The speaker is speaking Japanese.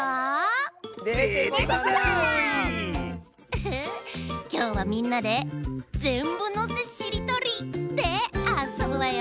ウフきょうはみんなで「ぜんぶのせしりとり」であそぶわよ。